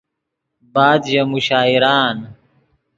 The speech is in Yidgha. بعد ژے مشاعرآن